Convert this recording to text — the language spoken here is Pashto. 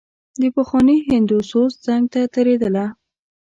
د پخواني هندو سوز څنګ ته تېرېدله.